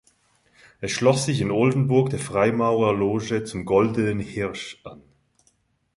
Er schloss sich in Oldenburg der Freimaurerloge "Zum goldenen Hirsch" an.